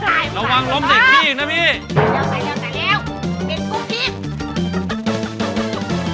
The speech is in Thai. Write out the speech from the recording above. ระวังล้มเด็กนี่อีกนะพี่